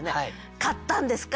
買ったんですか？